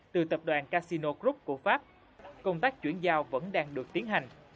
từ tập đoàn casino group của pháp công tác chuyển giao vẫn đang được tiến hành